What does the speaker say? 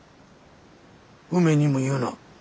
梅にも言うな。